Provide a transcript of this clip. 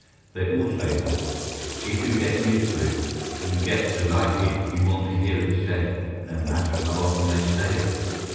(They all say that. If you get used to it, and get to like it, you want to hear it said, no matter how often they say it.)